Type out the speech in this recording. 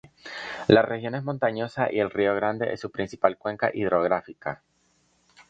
La región es montañosa y el Río Grande es su principal cuenca hidrográfica.